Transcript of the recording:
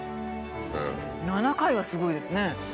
７回はすごいですね。